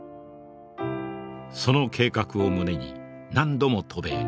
その計画を胸に何度も渡米。